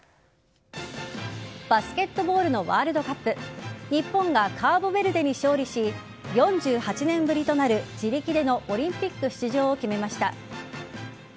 バスケットボールワールドカップ日本がカーボベルデに勝利し４８年ぶりとなる自力でのオリンピック出場を決めました。